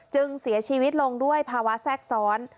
จึงเสียชีวิตลงด้วยภาวะแทรกซ้อน